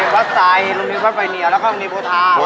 เป่าราเดิร์นอยู่เร็ว